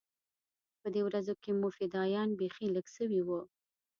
په دې ورځو کښې مو فدايان بيخي لږ سوي وو.